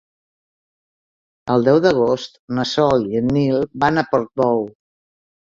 El deu d'agost na Sol i en Nil van a Portbou.